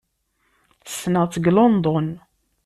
Ssneɣ-tt deg London.